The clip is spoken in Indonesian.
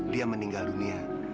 dia meninggal dunia